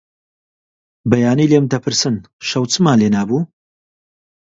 بەیانی لێم دەپرسن شەو چمان لێنابوو؟